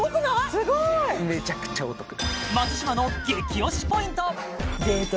すごいめちゃくちゃお得デート